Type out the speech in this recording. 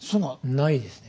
ないですね。